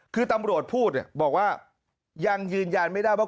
คือตำรวจพูดเนี่ยบอกว่ายังยืนยันไม่ได้ว่า